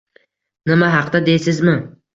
Nima haqda, deysizmi?